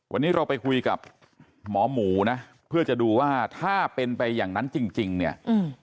วันนี้เราไปคุยกับหมอหมูนะเพื่อจะดูว่าถ้าเป็นไปอย่างนั้นจริงจริงเนี่ยอืม